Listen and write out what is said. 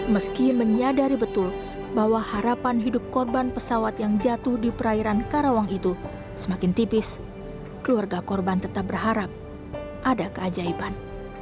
meski menyadari betul bahwa harapan hidup korban pesawat yang jatuh di perairan karawang itu semakin tipis keluarga korban tetap berharap ada keajaiban